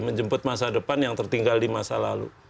menjemput masa depan yang tertinggal di masa lalu